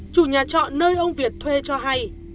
chủ nhà trọ nơi ông việt thuê cho hay